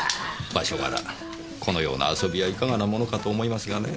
場所柄このような遊びはいかがなものかと思いますがね。